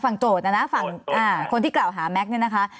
โจทย์นะนะฝั่งคนที่กล่าวหาแม็กซ์เนี่ยนะคะ